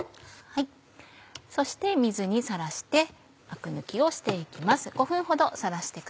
そして水にさらしてアク抜きをして行きます。